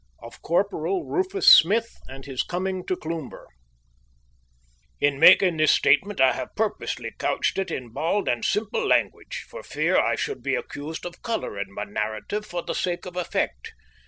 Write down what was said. OF CORPORAL RUFUS SMITH AND HIS COMING TO CLOOMBER In making this statement I have purposely couched it in bald and simple language, for fear I should be accused of colouring my narrative for the sake of effect.